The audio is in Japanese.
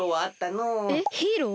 えっヒーロー？